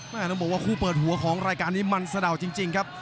ต้องบอกว่าคู่เปิดหัวของรายการนี้มันสะดาวจริงครับ